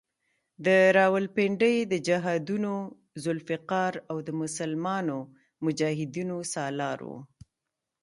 د راولپنډۍ د جهادونو ذوالفقار او د مسلمانو مجاهدینو سالار وو.